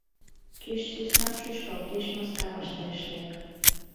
— Кеч сӧснам шӱшкыл, кеч маска ваштареш лек!